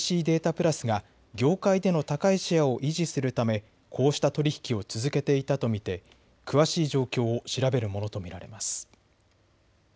プラスが業界での高いシェアを維持するためこうした取り引きを続けていたと見て詳しい状況を調べるものと見られます。